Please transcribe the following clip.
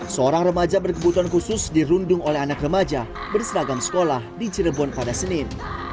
seorang remaja berkebutuhan khusus dirundung oleh anak remaja berseragam sekolah di cirebon pada senin